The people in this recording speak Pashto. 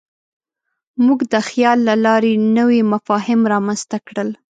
موږ د خیال له لارې نوي مفاهیم رامنځ ته کړل.